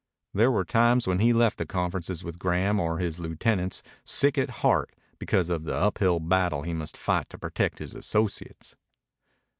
There were times when he left the conferences with Graham or his lieutenants sick at heart because of the uphill battle he must fight to protect his associates.